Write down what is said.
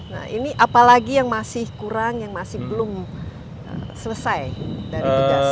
nah ini apalagi yang masih kurang yang masih belum selesai dari tugas ini